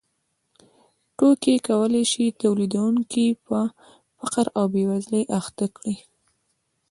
توکي کولای شي تولیدونکی په فقر او بېوزلۍ اخته کړي